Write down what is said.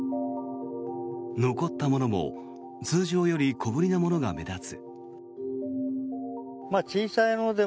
残ったものも通常より小ぶりなものが目立つ。